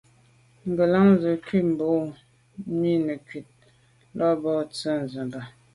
Ngelan ze nkum ba’ mi nekut là bag tswe’ tseba’.